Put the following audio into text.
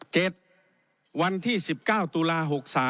เจ็ดวันที่๑๙ตุลา๖๓